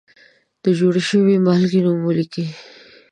د جوړې شوې مالګې نوم ولیکئ.